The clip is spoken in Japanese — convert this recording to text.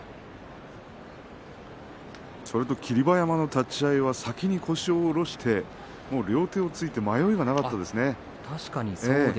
それと霧馬山の立ち合いは先に腰を下ろして両手をついて迷いがなかったですね。